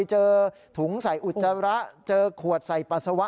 เจอถุงใส่อุจจาระเจอขวดใส่ปัสสาวะ